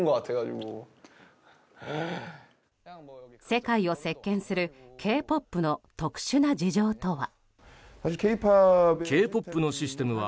世界を席巻するＫ‐ＰＯＰの特殊な事情とは。